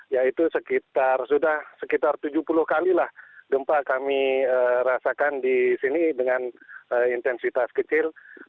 yaitu sekitar tujuh puluh kalilah gempa kami rasakan di sini dengan intensitas kecil